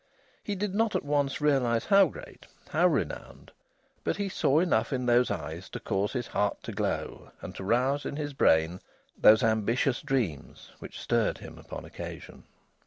He did not at once realise how great, how renowned. But he saw enough in those eyes to cause his heart to glow, and to rouse in his brain those ambitious dreams which stirred him upon occasion.